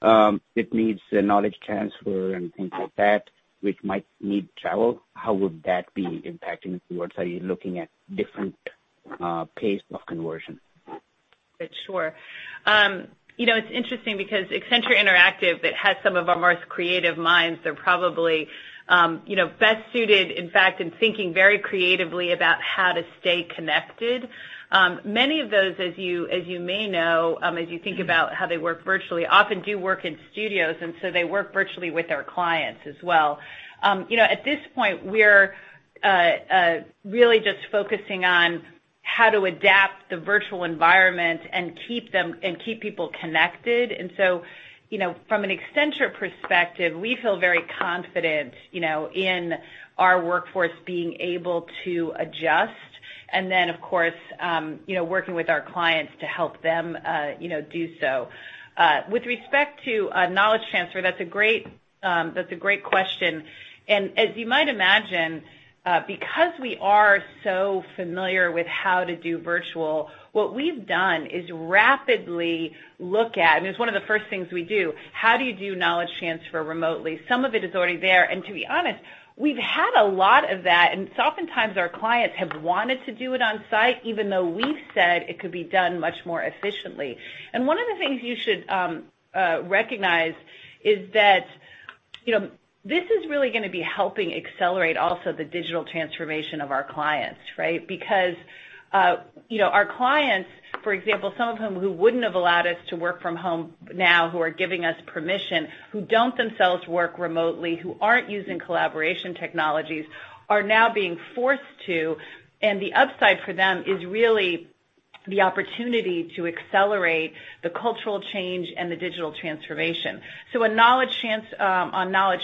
that needs knowledge transfer and things like that, which might need travel. How would that be impacting you? Are you looking at different pace of conversion? Sure. It's interesting because Accenture Interactive that has some of our most creative minds, they're probably best suited, in fact, in thinking very creatively about how to stay connected. Many of those, as you may know, as you think about how they work virtually, often do work in studios, and so they work virtually with our clients as well. At this point, we're really just focusing on how to adapt the virtual environment and keep people connected. From an Accenture perspective, we feel very confident in our workforce being able to adjust, and then, of course, working with our clients to help them do so. With respect to knowledge transfer, that's a great question. As you might imagine, because we are so familiar with how to do virtual, what we've done is rapidly look at, and it's one of the first things we do, how do you do knowledge transfer remotely? Some of it is already there. To be honest, we've had a lot of that, and so oftentimes, our clients have wanted to do it on site, even though we've said it could be done much more efficiently. One of the things you should recognize is that this is really going to be helping accelerate also the digital transformation of our clients, right? Our clients, for example, some of whom who wouldn't have allowed us to work from home now, who are giving us permission, who don't themselves work remotely, who aren't using collaboration technologies, are now being forced to. The upside for them is really the opportunity to accelerate the cultural change and the digital transformation. On knowledge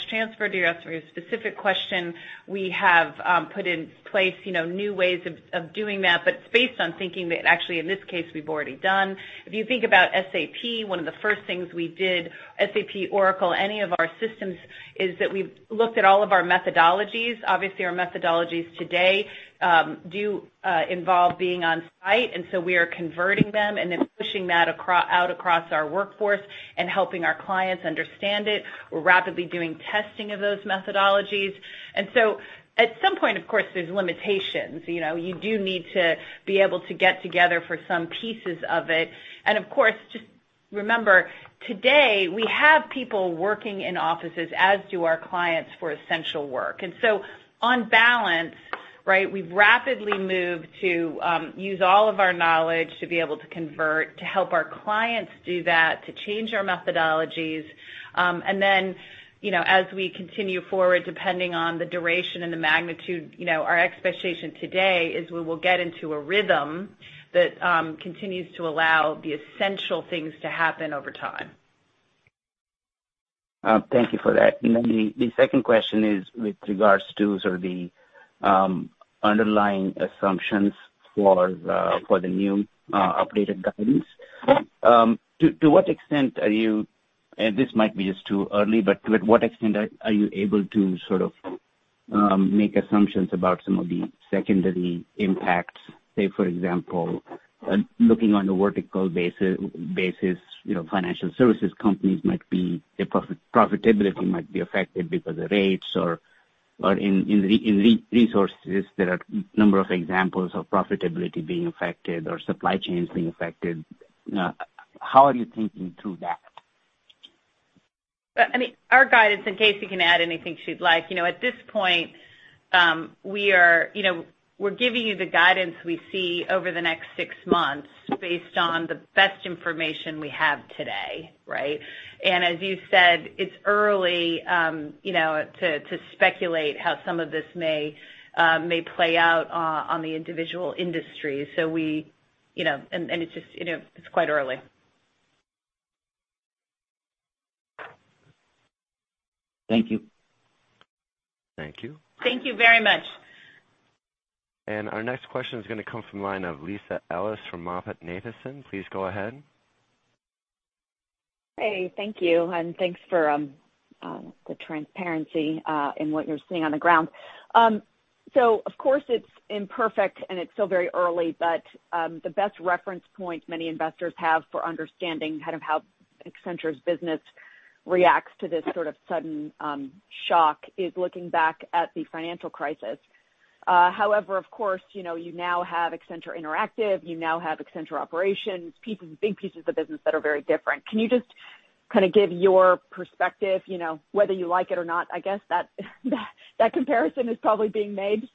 transfer, to answer your specific question, we have put in place new ways of doing that, but it's based on thinking that actually, in this case, we've already done. If you think about SAP, one of the first things we did, SAP, Oracle, any of our systems, is that we've looked at all of our methodologies. Obviously, our methodologies today do involve being on site, and so we are converting them and then pushing that out across our workforce and helping our clients understand it. We're rapidly doing testing of those methodologies. At some point, of course, there's limitations. You do need to be able to get together for some pieces of it. Of course, just remember, today, we have people working in offices as do our clients for essential work. On balance, we've rapidly moved to use all of our knowledge to be able to convert, to help our clients do that, to change our methodologies. Then as we continue forward, depending on the duration and the magnitude, our expectation today is we will get into a rhythm that continues to allow the essential things to happen over time. Thank you for that. The second question is with regards to sort of the underlying assumptions for the new updated guidance. This might be just too early, but to what extent are you able to sort of make assumptions about some of the secondary impacts, say, for example, looking on a vertical basis, financial services companies their profitability might be affected because of rates or in resources, there are number of examples of profitability being affected or supply chains being affected. How are you thinking through that? Our guidance, KC can add anything she'd like, at this point, we're giving you the guidance we see over the next six months based on the best information we have today, right? As you said, it's early to speculate how some of this may play out on the individual industry. It's quite early. Thank you. Thank you. Thank you very much. Our next question is going to come from the line of Lisa Ellis from MoffettNathanson. Please go ahead. Hey, thank you, and thanks for the transparency in what you're seeing on the ground. Of course, it's imperfect and it's still very early, but the best reference point many investors have for understanding how Accenture's business reacts to this sort of sudden shock is looking back at the financial crisis. However, of course, you now have Accenture Interactive, you now have Accenture Operations, big pieces of business that are very different. Can you just give your perspective, whether you like it or not, I guess that comparison is probably being made.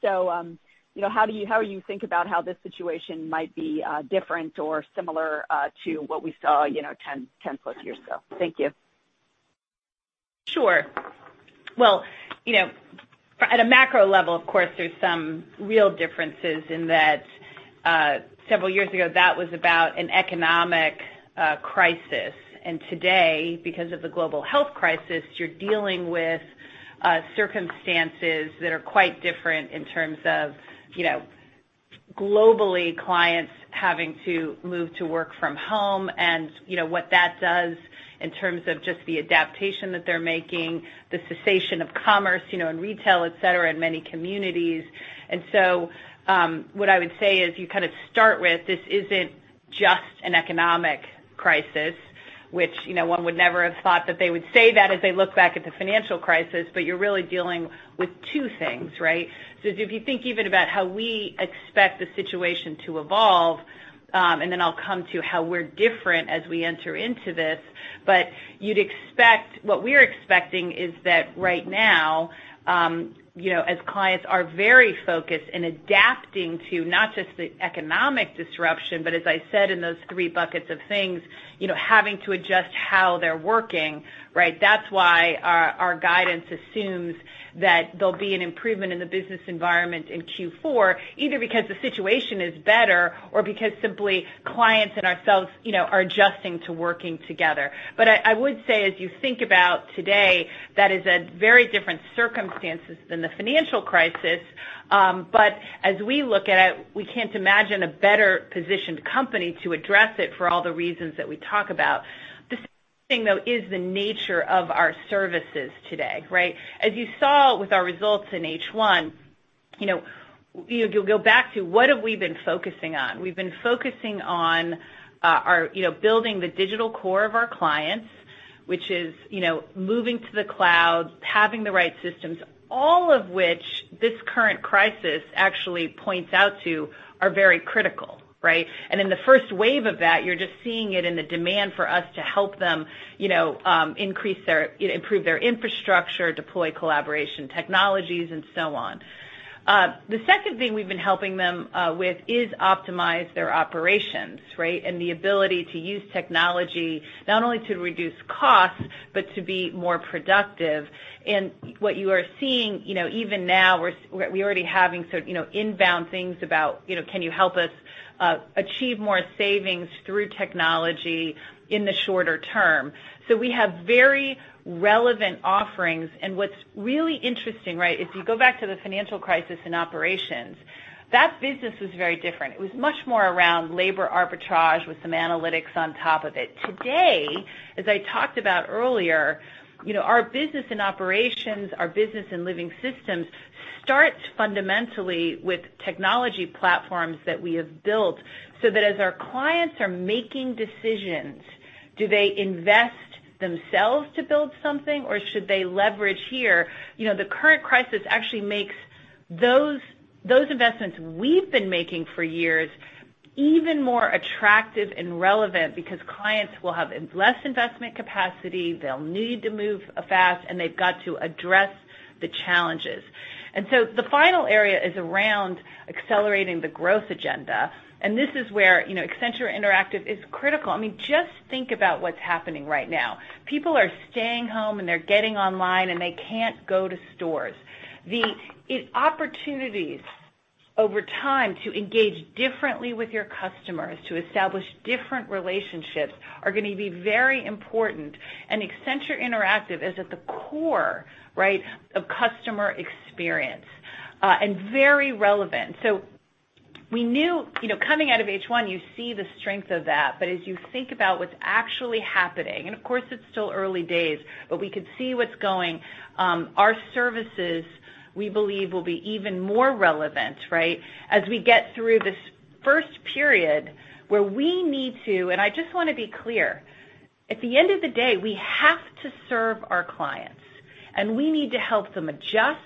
How you think about how this situation might be different or similar to what we saw 10+ years ago. Thank you. Sure. Well, at a macro level, of course, there's some real differences in that several years ago, that was about an economic crisis. Today, because of the global health crisis, you're dealing with circumstances that are quite different in terms of globally, clients having to move to work from home and what that does in terms of just the adaptation that they're making, the cessation of commerce in retail, et cetera, in many communities. What I would say is you start with this isn't just an economic crisis, which one would never have thought that they would say that as they look back at the financial crisis, but you're really dealing with two things, right? If you think even about how we expect the situation to evolve, and then I'll come to how we're different as we enter into this, what we're expecting is that right now, as clients are very focused in adapting to not just the economic disruption, but as I said, in those three buckets of things, having to adjust how they're working, that's why our guidance assumes that there'll be an improvement in the business environment in Q4, either because the situation is better or because simply clients and ourselves are adjusting to working together. I would say, as you think about today, that is a very different circumstances than the financial crisis. As we look at it, we can't imagine a better-positioned company to address it for all the reasons that we talk about. The second thing, though, is the nature of our services today.. As you saw with our results in H1, if you go back to what have we been focusing on, we've been focusing on building the digital core of our clients, which is moving to the cloud, having the right systems, all of which this current crisis actually points out to are very critical. In the first wave of that, you're just seeing it in the demand for us to help them improve their infrastructure, deploy collaboration technologies, and so on. The second thing we've been helping them with is optimize their operations, and the ability to use technology not only to reduce costs, but to be more productive. What you are seeing, even now, we're already having inbound things about, can you help us achieve more savings through technology in the shorter term? We have very relevant offerings, and what's really interesting, if you go back to the financial crisis in Operations, that business was very different. It was much more around labor arbitrage with some analytics on top of it. Today, as I talked about earlier, our business and Operations, our business and Living Systems starts fundamentally with technology platforms that we have built so that as our clients are making decisions: Do they invest themselves to build something, or should they leverage here? The current crisis actually makes those investments we've been making for years even more attractive and relevant because clients will have less investment capacity, they'll need to move fast, and they've got to address the challenges. The final area is around accelerating the growth agenda, and this is where Accenture Interactive is critical. Just think about what's happening right now. People are staying home and they're getting online, and they can't go to stores. The opportunities over time to engage differently with your customers, to establish different relationships are going to be very important, and Accenture Interactive is at the core of customer experience, and very relevant. We knew, coming out of H1, you see the strength of that. As you think about what's actually happening, and of course, it's still early days, but we could see what's going. Our services, we believe, will be even more relevant as we get through this first period where we need to. I just want to be clear. At the end of the day, we have to serve our clients, and we need to help them adjust.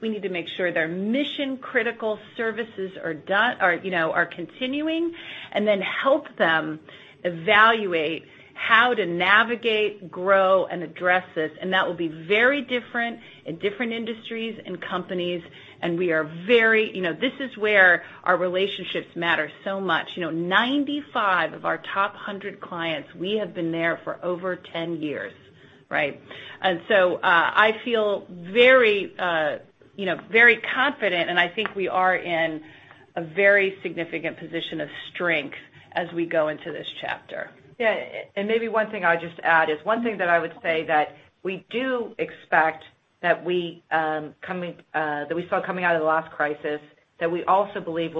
We need to make sure their mission-critical services are continuing, and then help them evaluate how to navigate, grow, and address this. That will be very different in different industries and companies, and this is where our relationships matter so much. 95 of our top 100 clients, we have been there for over 10 years. So I feel very confident, and I think we are in a very significant position of strength as we go into this chapter. Yeah. Maybe one thing I would just add is one thing that I would say that we do expect that we saw coming out of the last crisis, that we also believe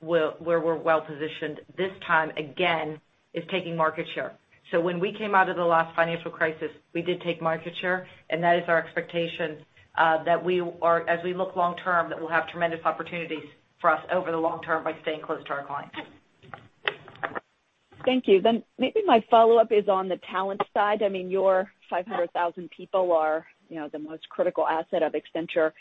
where we're well-positioned this time again, is taking market share. When we came out of the last financial crisis, we did take market share, and that is our expectation, as we look long term, that we'll have tremendous opportunities for us over the long term by staying close to our clients. Thank you. Maybe my follow-up is on the talent side. Your 500,000 people are the most critical asset of Accenture.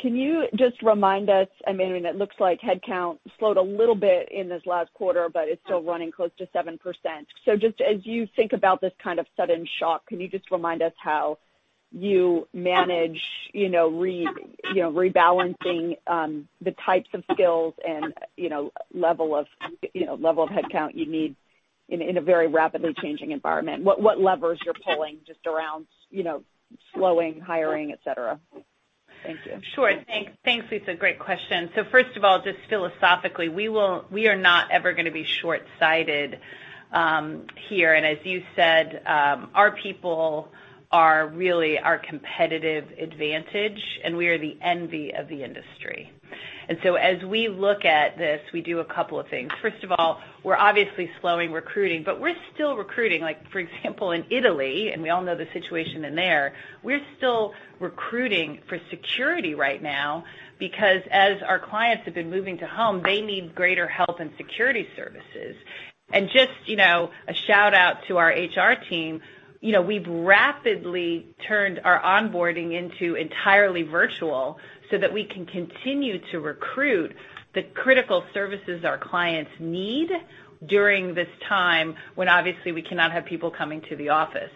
Can you just remind us, it looks like headcount slowed a little bit in this last quarter, but it's still running close to 7%. Just as you think about this kind of sudden shock, can you just remind us how you manage rebalancing the types of skills and level of headcount you need in a very rapidly changing environment? What levers you're pulling just around slowing hiring, et cetera. Thank you. Sure. Thanks, Lisa. Great question. First of all, just philosophically, we are not ever going to be short-sighted here. As you said, our people are really our competitive advantage, and we are the envy of the industry. As we look at this, we do a couple of things. First of all, we're obviously slowing recruiting, but we're still recruiting. For example, in Italy, and we all know the situation there, we're still recruiting for security right now because as our clients have been moving to home, they need greater health and security services. Just a shout-out to our HR team. We've rapidly turned our onboarding into entirely virtual so that we can continue to recruit the critical services our clients need during this time when obviously we cannot have people coming to the office.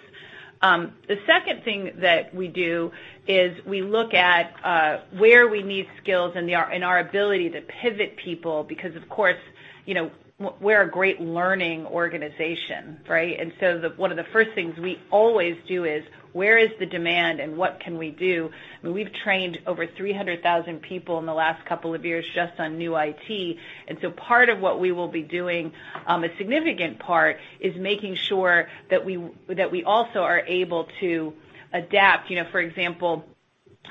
The second thing that we do is we look at where we need skills and our ability to pivot people because, of course, we're a great learning organization, right? One of the first things we always do is: Where is the demand and what can we do? We've trained over 300,000 people in the last couple of years just on new IT. Part of what we will be doing, a significant part, is making sure that we also are able to adapt. For example,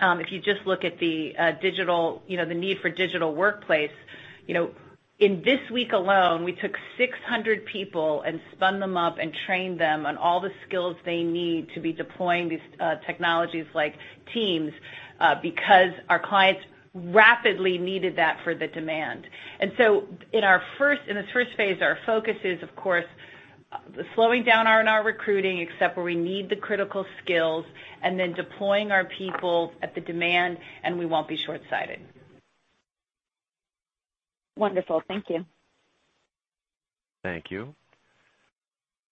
if you just look at the need for digital workplace. In this week alone, we took 600 people and spun them up and trained them on all the skills they need to be deploying these technologies like Teams because our clients rapidly needed that for the demand. In this first phase, our focus is, of course, slowing down our recruiting, except where we need the critical skills, and then deploying our people at the demand, and we won't be shortsighted. Wonderful. Thank you. Thank you.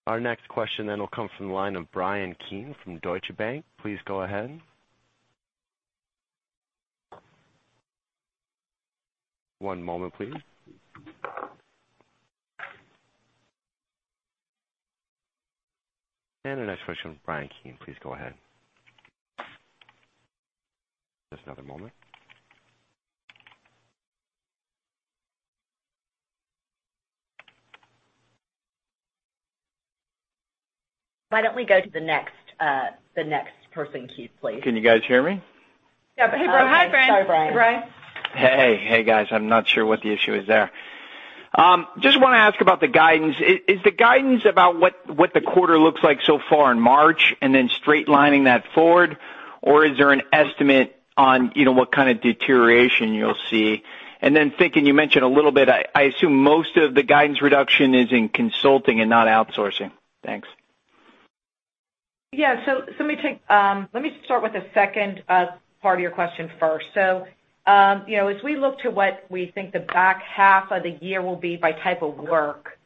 Our next question then will come from the line of Bryan Keane from Deutsche Bank. Please go ahead. One moment please. The next question, Bryan Keane, please go ahead. Just another moment. Why don't we go to the next person queue, please? Can you guys hear me? Yeah. Hi, Bryan. Sorry, Bryan. Hi, Bryan. Hey. Hey, guys. I'm not sure what the issue is there. Just want to ask about the guidance. Is the guidance about what the quarter looks like so far in March and then straight-lining that forward? Or is there an estimate on what kind of deterioration you'll see? Thinking, you mentioned a little bit, I assume most of the guidance reduction is in consulting and not outsourcing. Thanks. Yeah. Let me start with the second part of your question first. As we look to what we think the back half of the year will be by type of work,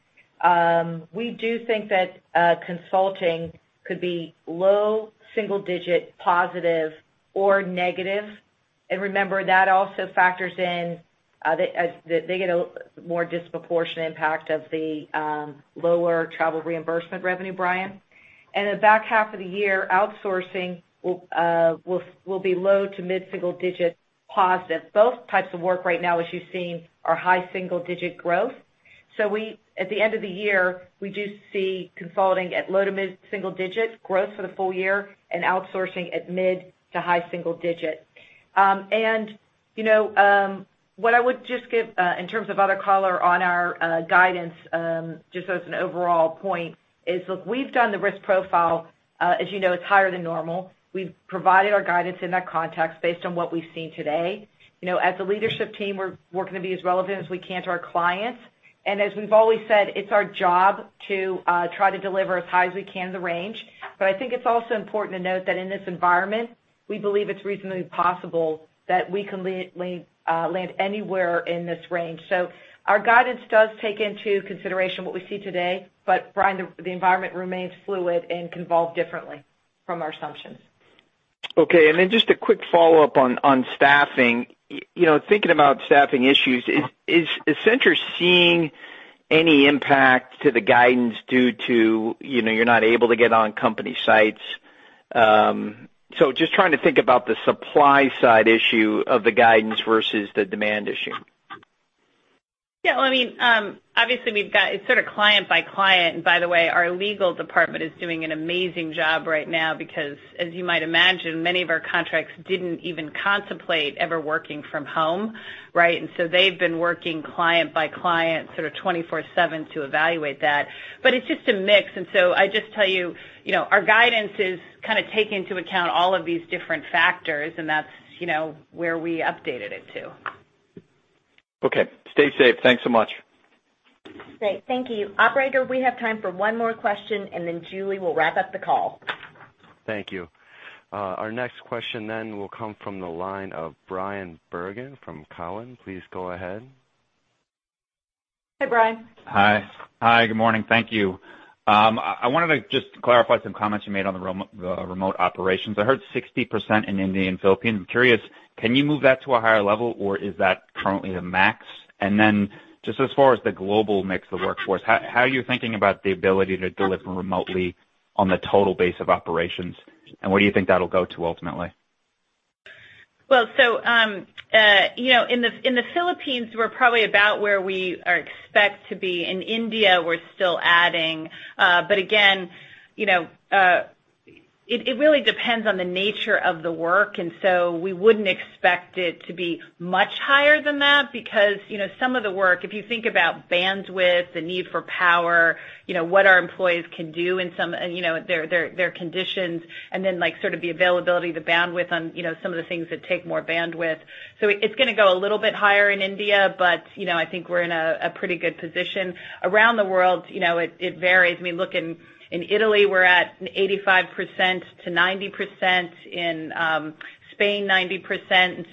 we do think that consulting could be low single-digit positive or negative. Remember, that also factors in, they get a more disproportionate impact of the lower travel reimbursement revenue, Bryan. In the back half of the year, outsourcing will be low to mid-single-digit positive. Both types of work right now, as you've seen, are high single-digit growth. At the end of the year, we do see consulting at low to mid-single-digit growth for the full year and outsourcing at mid to high single-digit. What I would just give in terms of other color on our guidance, just as an overall point is, look, we've done the risk profile. As you know, it's higher than normal. We've provided our guidance in that context based on what we've seen today. As a leadership team, we're going to be as relevant as we can to our clients. As we've always said, it's our job to try to deliver as high as we can in the range. I think it's also important to note that in this environment, we believe it's reasonably possible that we can land anywhere in this range. Our guidance does take into consideration what we see today. Bryan, the environment remains fluid and can evolve differently from our assumptions. Okay. Just a quick follow-up on staffing. Thinking about staffing issues, is Accenture seeing any impact to the guidance due to you're not able to get on company sites? Just trying to think about the supply side issue of the guidance versus the demand issue. Yeah. Obviously, it's sort of client by client. By the way, our legal department is doing an amazing job right now because, as you might imagine, many of our contracts didn't even contemplate ever working from home, right? They've been working client by client sort of 24/7 to evaluate that. It's just a mix. I just tell you, our guidance is kind of taking into account all of these different factors, and that's where we updated it to. Okay. Stay safe. Thanks so much. Great. Thank you. Operator, we have time for one more question, and then Julie will wrap up the call. Thank you. Our next question then will come from the line of Bryan Bergin from Cowen. Please go ahead. Hey, Bryan. Hi. Good morning. Thank you. I wanted to just clarify some comments you made on the remote operations. I heard 60% in India and Philippines. I'm curious, can you move that to a higher level, or is that currently the max? Just as far as the global mix of the workforce, how are you thinking about the ability to deliver remotely on the total base of Operations, and where do you think that'll go to ultimately? In the Philippines, we're probably about where we expect to be. In India, we're still adding. It really depends on the nature of the work. We wouldn't expect it to be much higher than that because some of the work, if you think about bandwidth, the need for power, what our employees can do and their conditions, and then the availability, the bandwidth on some of the things that take more bandwidth. It's going to go a little bit higher in India, but I think we're in a pretty good position. Around the world, it varies. I mean, look, in Italy, we're at 85%-90%, in Spain 90%.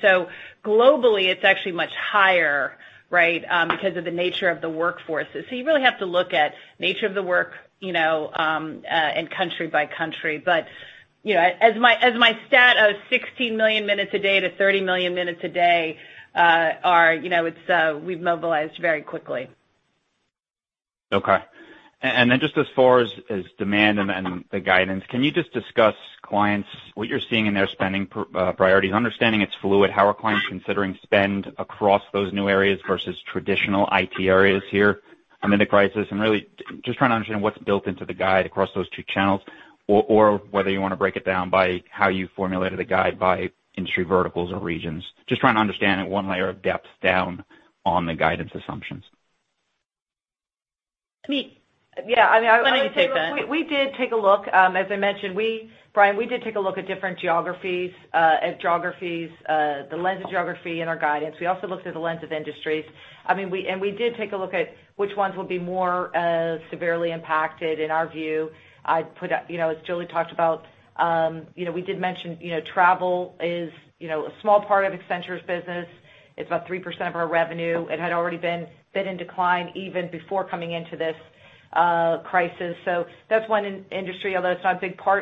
Globally, it's actually much higher, right? Because of the nature of the workforce. You really have to look at nature of the work and country by country. As my stat of 16 million minutes a day to 30 million minutes a day, we've mobilized very quickly. Okay. Just as far as demand and the guidance, can you just discuss clients, what you're seeing in their spending priorities? Understanding it's fluid, how are clients considering spend across those new areas versus traditional IT areas here amid the crisis? Really just trying to understand what's built into the guide across those two channels or whether you want to break it down by how you formulated a guide by industry verticals or regions. Just trying to understand it one layer of depth down on the guidance assumptions. Yeah. Why don't you take that? We did take a look. As I mentioned, Bryan, we did take a look at different geographies, the lens of geography in our guidance. We also looked through the lens of industries. We did take a look at which ones would be more severely impacted in our view. As Julie talked about, we did mention travel is a small part of Accenture's business. It's about 3% of our revenue. It had already been bit in decline even before coming into this crisis. That's one industry, although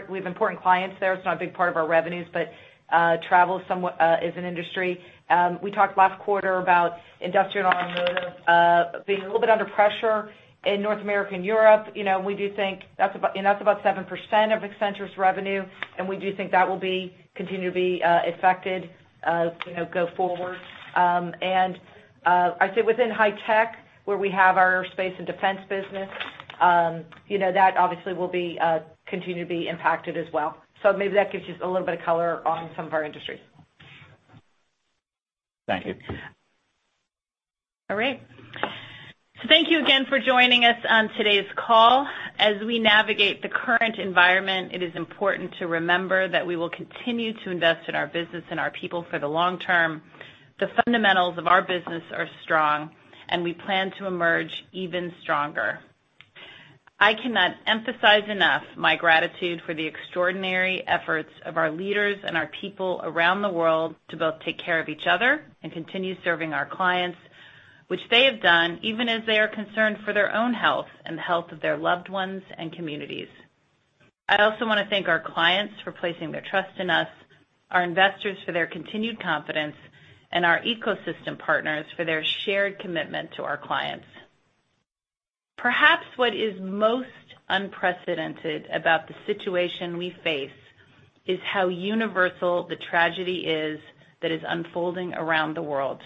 we have important clients there, it's not a big part of our revenues, but travel is an industry. We talked last quarter about industrial and automotive being a little bit under pressure in North America and Europe. That's about 7% of Accenture's revenue, and we do think that will continue to be affected go forward. I'd say within high tech, where we have our space and defense business, that obviously will continue to be impacted as well. Maybe that gives you a little bit of color on some of our industries. Thank you. All right. Thank you again for joining us on today's call. As we navigate the current environment, it is important to remember that we will continue to invest in our business and our people for the long term. The fundamentals of our business are strong, and we plan to emerge even stronger. I cannot emphasize enough my gratitude for the extraordinary efforts of our leaders and our people around the world to both take care of each other and continue serving our clients, which they have done even as they are concerned for their own health and the health of their loved ones and communities. I also want to thank our clients for placing their trust in us, our investors for their continued confidence, and our ecosystem partners for their shared commitment to our clients. Perhaps what is most unprecedented about the situation we face is how universal the tragedy is that is unfolding around the world.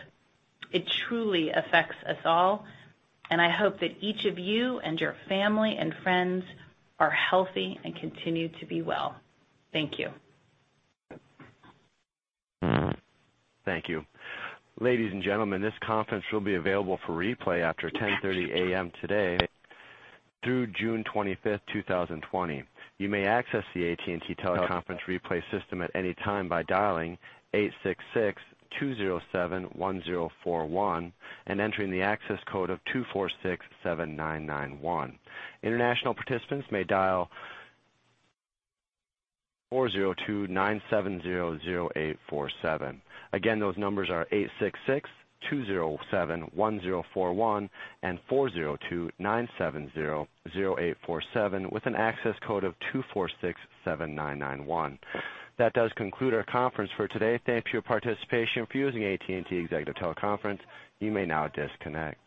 It truly affects us all, and I hope that each of you and your family and friends are healthy and continue to be well. Thank you. Thank you. Ladies and gentlemen, this conference will be available for replay after 10:30 A.M. today through June 25th, 2020. You may access the AT&T Teleconference replay system at any time by dialing 866-207-1041 and entering the access code of 2467991. International participants may dial 402-970-0847. Again, those numbers are 866-207-1041 and 402-970-0847 with an access code of 2467991. That does conclude our conference for today. Thank you for your participation for using AT&T Executive Teleconference. You may now disconnect.